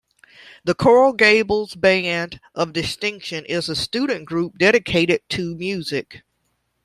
The Coral Gables Band of Distinction is a student group dedicated to music.